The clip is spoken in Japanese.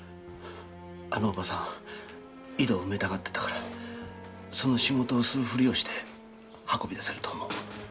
あのおばさんは井戸を埋めたがってたからその仕事をする振りをして運び出せると思う。